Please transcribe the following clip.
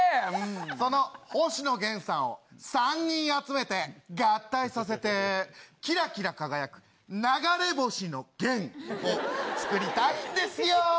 その星野源さんを３人集めて合体させて、きらきら輝く流れ星の源を作りたいんですよ。